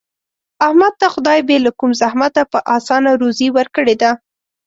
احمد ته خدای بې له کوم زحمته په اسانه روزي ورکړې ده.